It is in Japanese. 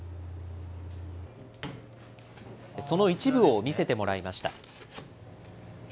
その一部を見せてもらいました。